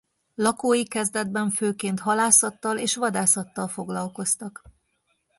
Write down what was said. Lakói kezdetben főként halászattal és vadászattal foglalkoztak.